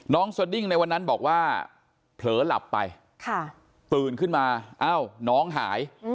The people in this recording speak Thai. สดิ้งในวันนั้นบอกว่าเผลอหลับไปตื่นขึ้นมาเอ้าน้องหาย